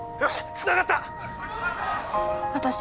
つながった私